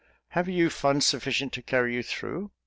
Have you funds sufficient to carry you through?